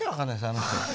あの人。